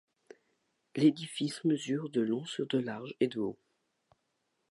L'édifice mesure de long sur de large, et de haut.